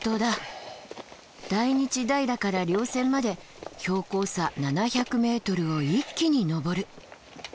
大日平から稜線まで標高差７００ｍを一気に登る。